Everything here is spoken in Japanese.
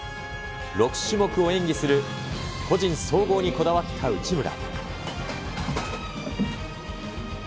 ６種目を演技する個人総合にこだわった内村。